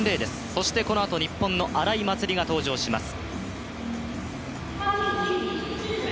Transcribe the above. そして、このあと日本の荒井祭里が登場します。